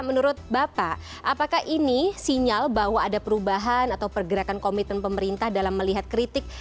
menurut bapak apakah ini sinyal bahwa ada perubahan atau pergerakan komitmen pemerintah dalam melihat kritik